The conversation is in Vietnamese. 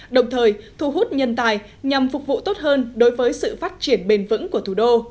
đồng thời thu hút nhân tài nhằm phục vụ tốt hơn đối với sự phát triển bền vững của thủ đô